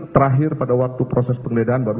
terakhir pada waktu proses penggeledahan baru